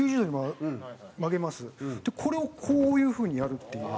これをこういう風にやるっていう。